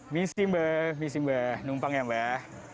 misi mbah misi mbah numpang ya mbah